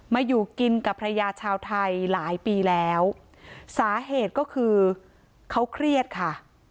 อยู่กินกับภรรยาชาวไทยหลายปีแล้วสาเหตุก็คือเขาเครียดค่ะ